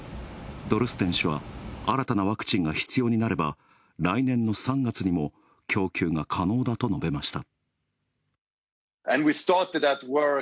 ドルステン氏は、新たなワクチンが必要になれば来年の３月にも供給が可能だと述べました。